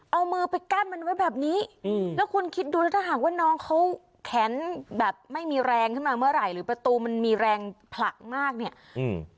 เอามือไปกั้นมันไว้แบบนี้อืมแล้วคุณคิดดูแล้วถ้าหากว่าน้องเขาแขนแบบไม่มีแรงขึ้นมาเมื่อไหร่หรือประตูมันมีแรงผลักมากเนี่ยอืม